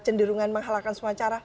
kecenderungan menghalangkan semua cara